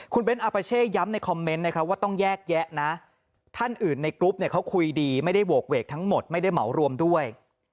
คุณเบ้นอาปาเช่ย้ำในคอมเมนต์นะครับว่าต้องแยกแยะนะท่านอื่นในกรุ๊ปเนี่ยเขาคุยดีไม่ได้โหกเวกทั้งหมดไม่ได้เหมารวมด้วย